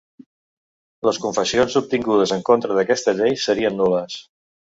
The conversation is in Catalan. Les confessions obtingudes en contra d'aquesta llei serien nul·les.